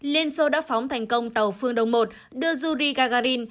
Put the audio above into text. liên xô đã phóng thành công tàu phương đồng một đưa yuri gagarin